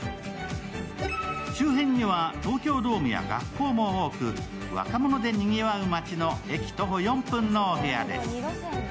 周辺には東京ドームや学校も多く若者でにぎわう街の駅徒歩４分のお部屋です。